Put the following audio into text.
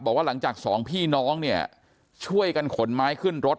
บอกว่าหลังจากสองพี่น้องเนี่ยช่วยกันขนไม้ขึ้นรถ